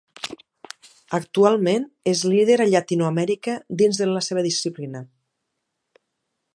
Actualment és líder a Llatinoamèrica dins de la seva disciplina.